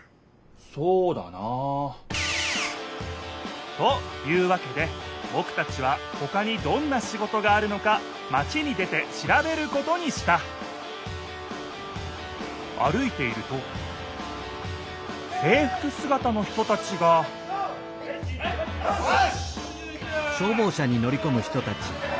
そうだなあ。というわけでぼくたちはほかにどんなシゴトがあるのかマチに出てしらべることにした歩いているとせいふくすがたの人たちがよしっ！